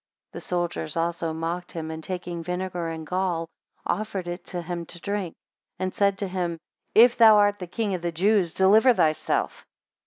7 The soldiers also mocked him, and taking vinegar and gall, offered it to him to drink, and said to him, If thou art king of the Jews, deliver thyself.